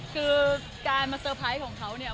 คือการมาเตอร์ไพรส์ของเขาเนี่ย